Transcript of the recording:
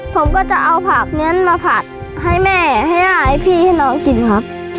ผมก็จะเอาผักนี้มาผัดให้แม่ให้ย่าให้พี่ให้น้องกินครับ